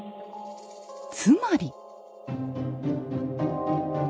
つまり。